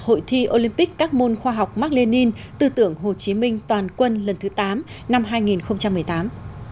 hội thi olympic các môn khoa học mark lenin tư tưởng hồ chí minh toàn quân lần thứ tám năm hai nghìn một mươi tám